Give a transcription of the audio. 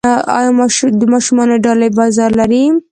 آیا د ماشومانو ډالۍ بازار لري؟